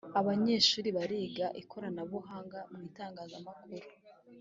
abanyeshuri bariga ikoranabuhanga mu itangazamakuru